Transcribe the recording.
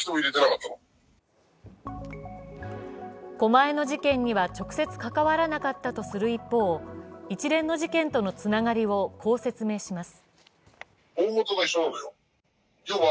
狛江の事件には直接関わらなかったとする一方、一連の事件とのつながりをこう説明します。